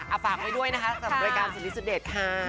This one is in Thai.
เออฝากไว้ด้วยนะคะสำรวจการสนิทสุดเด็ดค่ะ